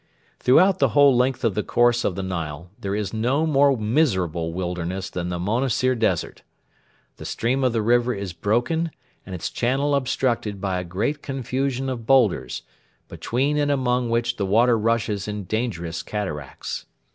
Throughout the whole length of the course of the Nile there is no more miserable wilderness than the Monassir Desert. The stream of the river is broken and its channel obstructed by a great confusion of boulders, between and among which the water rushes in dangerous cataracts.